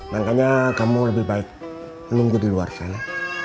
makanya kamu lebih baik menunggu di luar saya